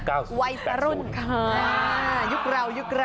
อ่ายุคเรา